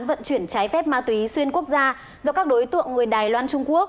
vận chuyển trái phép ma túy xuyên quốc gia do các đối tượng người đài loan trung quốc